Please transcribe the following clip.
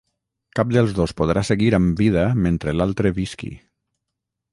Cap dels dos podrà seguir amb vida mentre l'altre visqui.